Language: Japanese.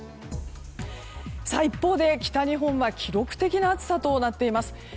一方で北日本は記録的な暑さとなっています。